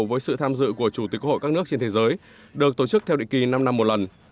với sự tham dự của chủ tịch hội các nước trên thế giới được tổ chức theo định kỳ năm năm một lần